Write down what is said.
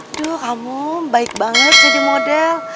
aduh kamu baik banget jadi model